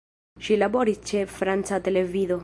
Ŝi laboris ĉe franca televido.